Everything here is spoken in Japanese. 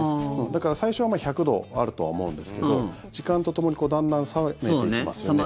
だから、最初は１００度あるとは思うんですけど時間とともにだんだん冷めていきますよね。